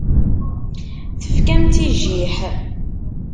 Tefkam-tt i jjiḥ.